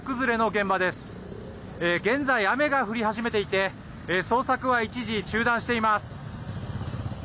現在、雨が降り始めていて捜索は一時、中断しています。